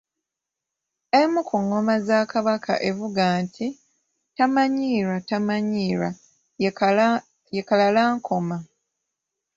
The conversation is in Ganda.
"Emu ku ngoma za Kabaka evuga nti “tamanyiirwa, tamanyiirwa” ye Kalalankoma."